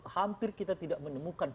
hampir kita tidak menemukan